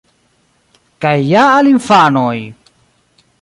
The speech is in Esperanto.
Kaj ja al infanoj!